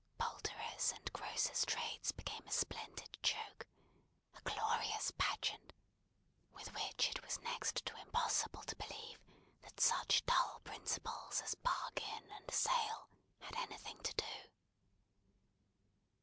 Poulterers' and grocers' trades became a splendid joke: a glorious pageant, with which it was next to impossible to believe that such dull principles as bargain and sale had anything to do.